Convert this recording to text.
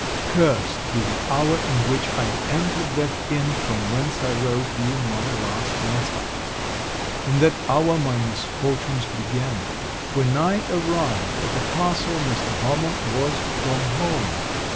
Cursed be the hour in which I entered that inn, from whence I wrote you my last letter! in that hour my misfortunes began. When I arrived at the castle, Mr. Valmont was from home.